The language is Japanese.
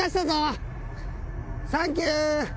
サンキュー！